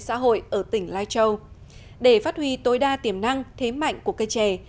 trong thời gian tiềm năng thế mạnh của cây chè